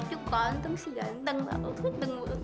ganjeng ganteng ganteng ganteng banget